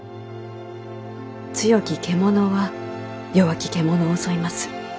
強き獣は弱き獣を襲います。